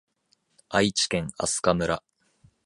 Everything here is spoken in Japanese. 愛知県飛島村